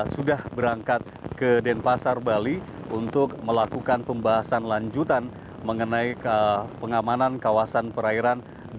sudah berangkat ke denpasar bali untuk melakukan pembahasan lanjutan mengenai pengamanan kawasan perairan